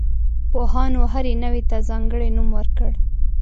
پوهانو هرې نوعې ته ځانګړی نوم ورکړ.